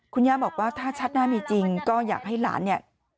คุณย่าบอกว่าถ้าชาติหน้ามีจริงก็อยากให้หลานเนี่ย